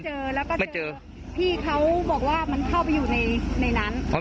เจอแล้วก็เจอพี่เขาบอกว่ามันเข้าไปอยู่ในนั้น